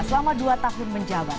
selama dua tahun menjabat